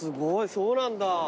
そうなんだ。